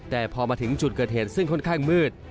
แต่พอมาถึงจุดเกิดเหตุซึ่งค่อนข้างมืด